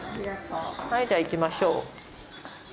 はいじゃあ行きましょう。